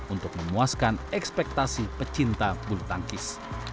untuk memuaskan ekspektasi pecinta bulu tangkis